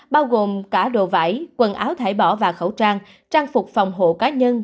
bao gồm cả đồ vải quần áo thải bỏ và khẩu trang trang phục phòng hộ cá nhân